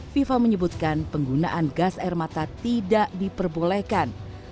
fifa menyebutkan penggunaan gas air mata tidak diperbolehkan